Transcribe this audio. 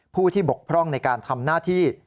ผู้ที่บกพร่องในการทำหน้าที่